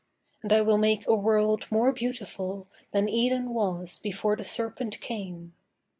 And I will make a world more beautiful Than Eden was before the serpent came.